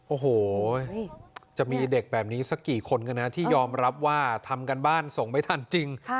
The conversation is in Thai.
โอ้โหจะมีเด็กแบบนี้สักกี่คนกันนะที่ยอมรับว่าทำการบ้านส่งไม่ทันจริง